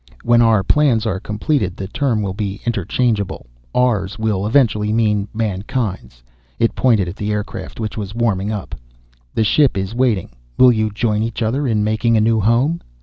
"When our plans are completed, the term will be interchangeable. 'Ours' will eventually mean mankind's." It pointed at the aircraft, which was warming up. "The ship is waiting. Will you join each other in making a new home?"